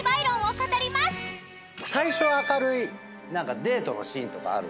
最初は明るいデートのシーンとかあるんですけど。